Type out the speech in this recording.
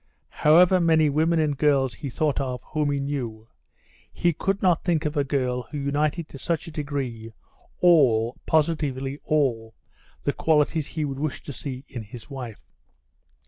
However many women and girls he thought of whom he knew, he could not think of a girl who united to such a degree all, positively all, the qualities he would wish to see in his wife.